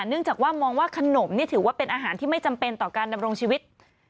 เนื่องจากว่ามองว่าขนมนี่ถือว่าเป็นอาหารที่ไม่จำเป็นต่อการดำรงชีวิต